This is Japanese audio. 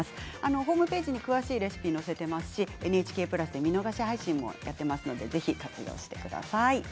ホームページに詳しいレシピを載せていますしＮＨＫプラスで見逃し配信もやっていますのでぜひ活用してください。